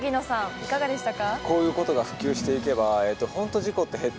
いかがでしたか？